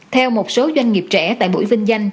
theo một số doanh nghiệp trẻ tại buổi vinh danh